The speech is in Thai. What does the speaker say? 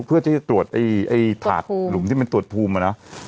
เพื่อจะตรวจถาดหลุมที่เป็นตรวจภูมิ